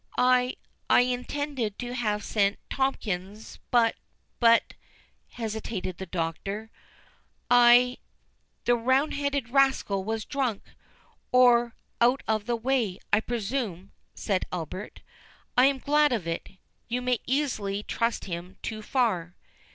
"I—I—intended to have sent Tomkins—but—but"—hesitated the Doctor, "I"— "The roundheaded rascal was drunk, or out of the way, I presume," said Albert. "I am glad of it—you may easily trust him too far."